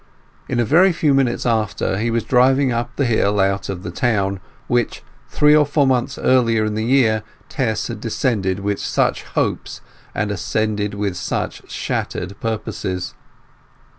In a very few minutes after, he was driving up the hill out of the town which, three or four months earlier in the year, Tess had descended with such hopes and ascended with such shattered purposes.